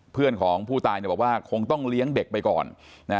เพื่อนของผู้ตายบอกว่าคงต้องเลี้ยงเด็กไปก่อน